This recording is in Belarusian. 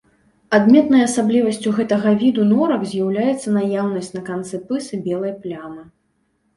Адметнай асаблівасцю гэтага віду норак з'яўляецца наяўнасць на канцы пысы белай плямы.